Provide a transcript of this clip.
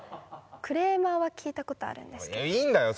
クレーマーは聞いたことあるんですけどいいんだよ